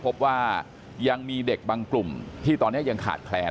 พบว่ายังมีเด็กบางกลุ่มที่ตอนนี้ยังขาดแคลน